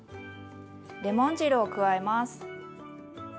レモン汁を加えます。